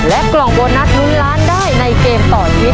กล่องโบนัสลุ้นล้านได้ในเกมต่อชีวิต